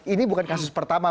ini bukan kasus pertama